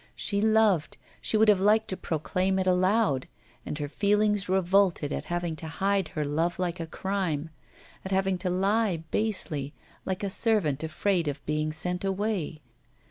She loved, she would have liked to proclaim it aloud, and her feelings revolted at having to hide her love like a crime, at having to lie basely, like a servant afraid of being sent away.